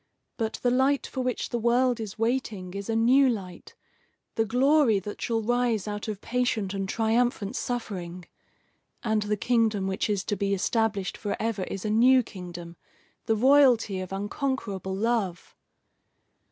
But the light for which the world is waiting is a new light, the glory that shall rise out of patient and triumphant suffering. And the kingdom which is to be established forever is a new kingdom, the royalty of unconquerable love.